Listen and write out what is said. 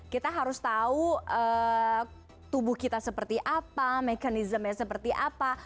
kita harus tahu tubuh kita seperti apa mekanismenya seperti apa